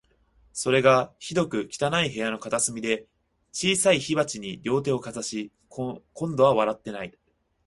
それが、ひどく汚い部屋の片隅で、小さい火鉢に両手をかざし、今度は笑っていない